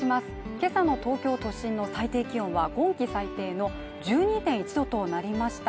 今朝の東京都心の最低気温は今季最低の１２．１度となりました